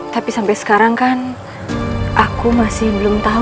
kapan dipanggil oleh allah